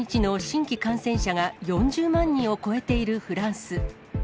１日の新規感染者が４０万人を超えているフランス。